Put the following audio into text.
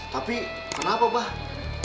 tapi kenapa pak